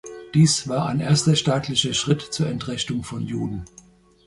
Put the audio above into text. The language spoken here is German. Dies war ein erster staatlicher Schritt zur Entrechtung von Juden.